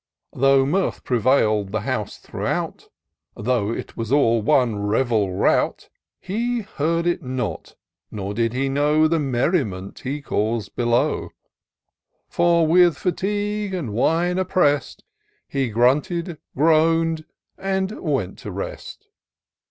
Though mirth prevail'd the house throughout, Though it was all one revel rout. He heard it not, nor did he know The merriment he caus'd below ; For, with fatigue and wine oppressed. He gTunted, groan'd, and went to rest